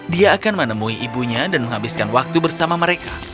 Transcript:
dia akan menemui ibunya dan menghabiskan waktu bersama mereka